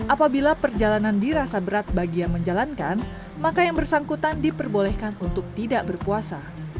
apabila perjalanan dirasa berat bagi yang menjalankan maka yang bersangkutan diperbolehkan untuk tidak berpuasa